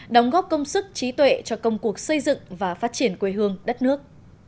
đóng góp công sức trí tuệ cho công cuộc xây dựng và phát triển quê hương đất nước